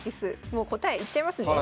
もう答え言っちゃいますね。